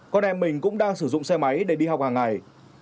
con em mình cũng đang sử dụng xe máy để đi học hàng ngày